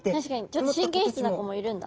ちょっと神経質な子もいるんだ。